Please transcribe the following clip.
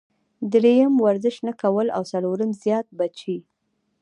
دريم ورزش نۀ کول او څلورم زيات بچي -